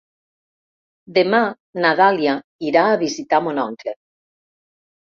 Demà na Dàlia irà a visitar mon oncle.